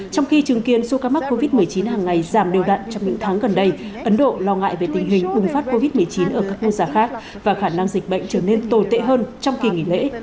trong khi chứng kiến số ca mắc covid một mươi chín hàng ngày giảm đều đặn trong những tháng gần đây ấn độ lo ngại về tình hình bùng phát covid một mươi chín ở các quốc gia khác và khả năng dịch bệnh trở nên tồi tệ hơn trong kỳ nghỉ lễ